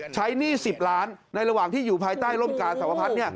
หนี้๑๐ล้านในระหว่างที่อยู่ภายใต้ร่มกาสวพัฒน์